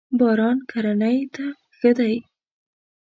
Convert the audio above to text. باران کرنی ته ښه دی.